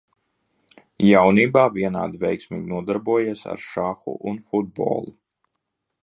Jaunībā vienādi veiksmīgi nodarbojies ar šahu un futbolu.